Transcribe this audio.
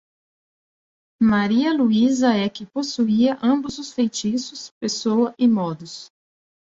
Maria Luísa é que possuía ambos os feitiços, pessoa e modos.